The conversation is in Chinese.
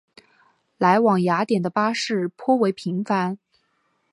来往雅典的巴士颇为频繁。